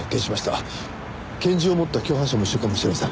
拳銃を持った共犯者も一緒かもしれません。